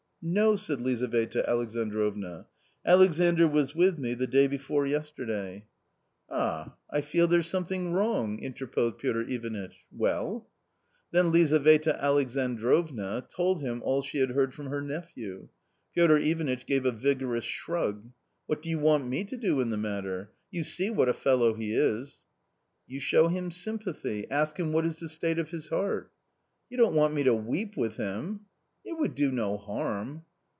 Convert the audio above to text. "No I" said Lizaveta Alexandrovna. "Alexandr was with me the day before yesterday." ISO A COMMON STORY "Ah, I feel there's something wrong !" interposed Piotr Ivanitch, "well ?" Then Lizaveta Alexandrovna told him all she had heard from her nephew. Piotr Ivanitch gave a vigorous shrug. " What do you want me to do in the matter ? you see what a fellow he is !"" You show him sympathy ; ask him what is the state of his heart." "You don't want me to weep with him? "" It would do no harm."